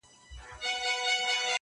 ما کتلی په ورغوي کي زما د ارمان پال دی,